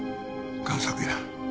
贋作や。